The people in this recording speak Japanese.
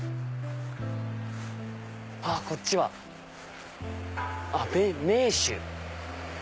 あっこっちは「銘酒」。